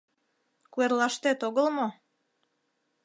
Куэрлаштет огыл мо?